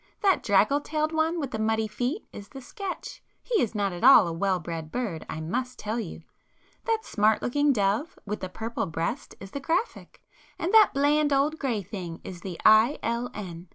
That draggle tailed one with the muddy feet is the 'Sketch,'—he is not at all a well bred bird I must tell you!—that smart looking dove with the purple breast is the 'Graphic,' and that bland old grey thing is the 'I. L. N.